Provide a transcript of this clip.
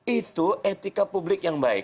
itu etika publik yang baik